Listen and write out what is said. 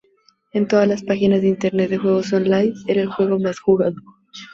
En todas las páginas de internet de juegos online, era el juego más jugado.